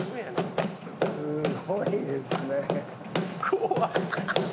すごいですね。